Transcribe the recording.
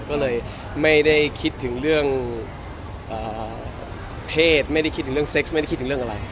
ก็เลยไม่ได้คิดถึงเรื่องเพศไม่ได้คิดถึงเรื่องเซ็กซ์ไม่ได้คิดถึงเรื่องอะไร